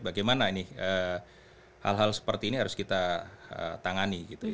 bagaimana ini hal hal seperti ini harus kita tangani